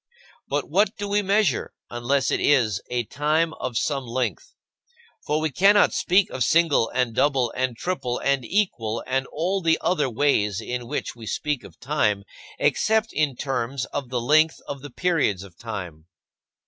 But what do we measure, unless it is a time of some length? For we cannot speak of single, and double, and triple, and equal, and all the other ways in which we speak of time, except in terms of the length of the periods of time.